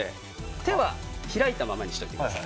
手は開いたままにしておいてください。